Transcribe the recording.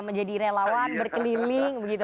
menjadi relawan berkeliling begitu